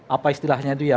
apa istilahnya itu ya